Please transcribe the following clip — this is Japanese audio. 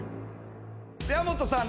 矢本さん。